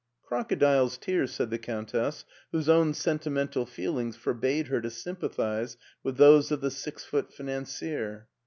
" Crocodile's tears," said the Countess, whose own sentimental feelings forbade her to sympathize with those of the six foot financier.